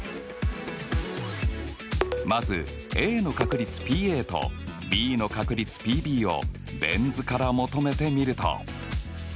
まずＡの確率ＰとＢの確率Ｐをベン図から求めてみると。